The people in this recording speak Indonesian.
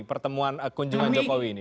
pertemuan kunjungan jokowi ini